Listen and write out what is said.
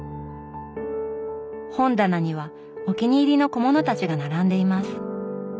本棚にはお気に入りの小物たちが並んでいます。